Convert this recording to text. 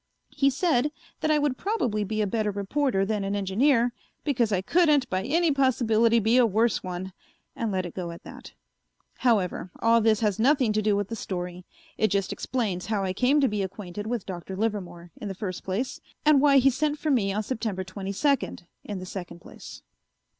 He said that I would probably be a better reporter than an engineer because I couldn't by any possibility be a worse one, and let it go at that. However, all this has nothing to do with the story. It just explains how I came to be acquainted with Dr. Livermore, in the first place, and why he sent for me on September twenty second, in the second place.